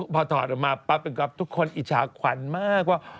พอถอดออกมาปั๊บเป็นก๊อฟทุกคนอิจฉาขวัญมากว่า